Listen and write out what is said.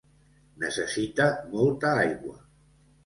Necessita molta aigua.